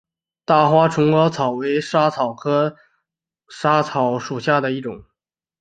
大花嵩草为莎草科嵩草属下的一个种。